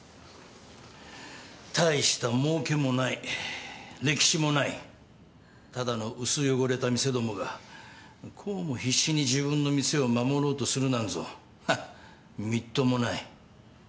大したもうけもない歴史もないただの薄汚れた店どもがこうも必死に自分の店を守ろうとするなんぞみっともない。